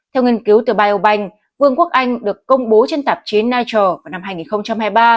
theo nghiên cứu từ biobank vương quốc anh được công bố trên tạp chế nature vào năm hai nghìn hai mươi ba